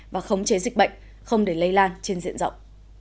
và khống chế dịch bệnh không để lây lan trên diện rộng